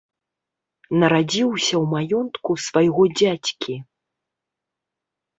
Нарадзіўся ў маёнтку свайго дзядзькі.